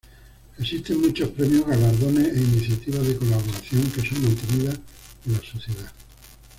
Existen muchos premios, galardones e iniciativas de colaboración que son mantenidas por la sociedad.